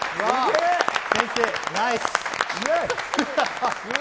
先生、ナイス！